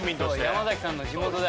山崎さんの地元で。